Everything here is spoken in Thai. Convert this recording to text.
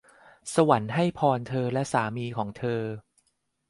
สวรรค์ให้พรเธอและสามีของเธอ !